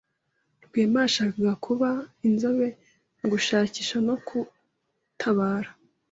Rwema yashakaga kuba inzobere mu gushakisha no gutabara.